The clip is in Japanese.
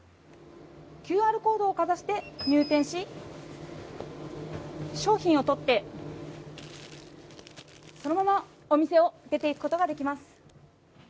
ＱＲコードをかざして入店し商品を取ってそのままお店を出ていくことができます。